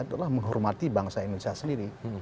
adalah menghormati bangsa indonesia sendiri